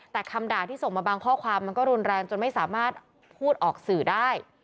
แต่คำด่าที่ส่งมาบางข้อความมันก็รุนแรงจนไม่สามารถพูดออกสื่อได้